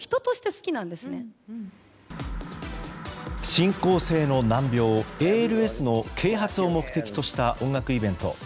進行性の難病ＡＬＳの啓発を目的とした音楽イベント。